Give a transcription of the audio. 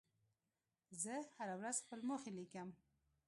زه هره ورځ خپل موخې لیکم.